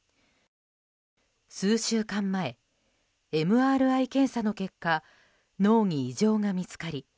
数週間前、ＭＲＩ検査の結果脳に異常が見つかり